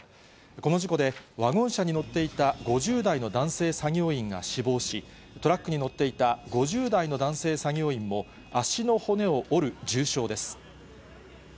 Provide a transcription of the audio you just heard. この事故でワゴン車に乗っていた５０代の男性作業員が死亡し、トラックに乗っていた５０代の男性作業員も足の骨を折る重傷です。